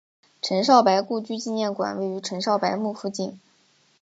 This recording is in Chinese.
陈少白故居纪念馆位于陈少白墓附近。